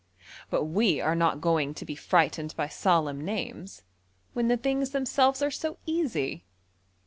But we are not going to be frightened by solemn names, when the things themselves are so easy.